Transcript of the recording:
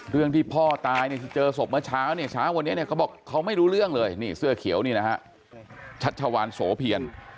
เรื่องที่พ่อตายเนี่ยเจอศพเมื่อเช้าเนี่ยเช้าวันนี้เนี่ยเขาบอกเขาไม่รู้เรื่องเลยนี่เสื้อเขียวนี่นะฮะชัชวานโสเพียร